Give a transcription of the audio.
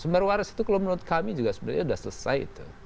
sumber waras itu kalau menurut kami juga sebenarnya sudah selesai itu